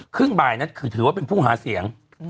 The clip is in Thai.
ครึ่งบ่ายนั้นคือถือว่าเป็นผู้หาเสียง